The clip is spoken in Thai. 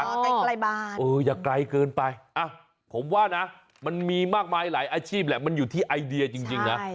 ใกล้บ้านเอออย่าไกลเกินไปอ่ะผมว่านะมันมีมากมายหลายอาชีพแหละมันอยู่ที่ไอเดียจริงนะ